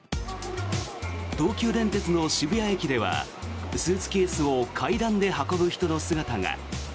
東急電鉄の渋谷駅ではスーツケースを階段で運ぶ人の姿が。